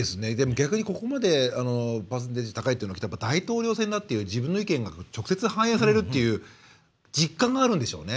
逆に、ここまでパーセンテージが高いというのは大統領選だと、自分の意見が直接、反映されるという実感があるんでしょうね。